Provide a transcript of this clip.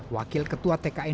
wakil ketua tki